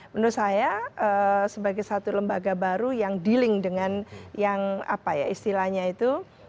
menurut saya sebagai satu lembaga baru yang dealing dengan yang apa ya istilahnya itu